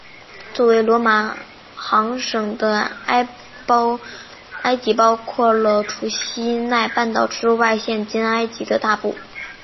作为罗马行省的埃及包括了除西奈半岛之外现今埃及的大部。